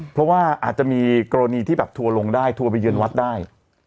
เพราะว่าอาจจะมีกรณีที่แบบทัวร์ลงได้ทัวร์ไปเยือนวัดได้